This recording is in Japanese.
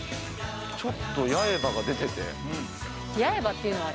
ちょっと八重歯が出てて。